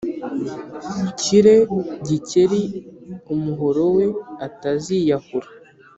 nshyire Gikeli umuhorowe ataziyahura.